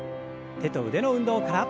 手と腕の運動から。